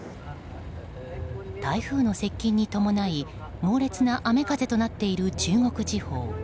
台風の接近に伴い猛烈な雨風となっている中国地方。